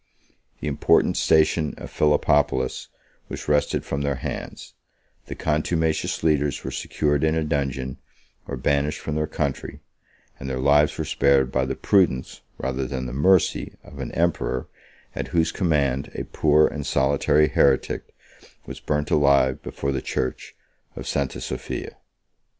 The important station of Philippopolis was wrested from their hands; the contumacious leaders were secured in a dungeon, or banished from their country; and their lives were spared by the prudence, rather than the mercy, of an emperor, at whose command a poor and solitary heretic was burnt alive before the church of St. Sophia.